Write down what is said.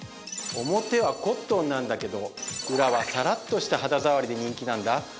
表はコットンなんだけど裏はさらっとした肌触りで人気なんだ